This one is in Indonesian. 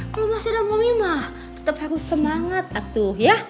kalau masih ada mommy mah tetap harus semangat atuh